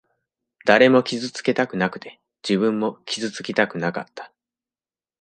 誰も傷つけたくなくて、自分も傷つきたくなかった。